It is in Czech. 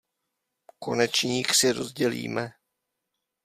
Konečník si rozdělíme.